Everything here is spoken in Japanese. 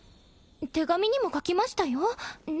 手紙にも書きましたよね